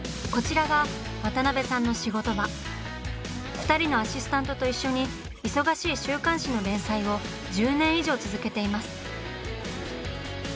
２人のアシスタントと一緒に忙しい週刊誌の連載を１０年以上続けています。